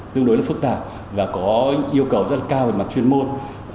tương đối phức tạp và có yêu cầu rất cao về mặt chuyên môn